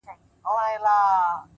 نن د هر گل زړگى په وينو رنـــــگ دى،